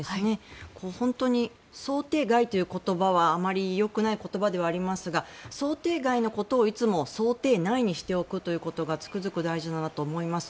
本当に想定外という言葉はあまりよくない言葉ではありますが想定外のことを、いつも想定内にしておくということがつくづく大事だなと思います。